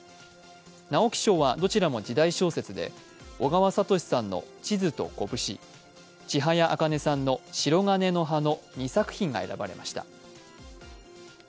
直木賞はどちらも時代小説で、小川哲さんの「地図と拳」、千早茜さんの「しろがねの葉」の２作品が選ばれました。